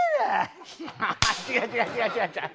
違う違う違う違う違う！